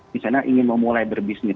misalnya ingin memulai berbisnis